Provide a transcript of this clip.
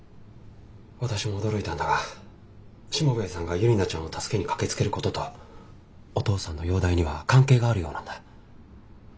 私も驚いたんだがしもべえさんがユリナちゃんを助けに駆けつけることとお父さんの容体には関係があるようなんだ。